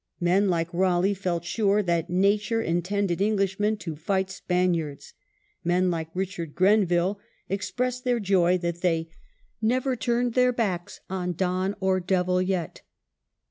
Men Hke Raleigh felt sure that Nature intended EngUshmen to fight Span iards. Men like Richard Grenville expressed their joy that they "never turned their backs on Don or Devil yet".